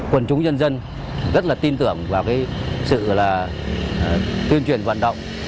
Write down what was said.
quần chúng nhân dân rất là tin tưởng vào cái sự là tuyên truyền vận động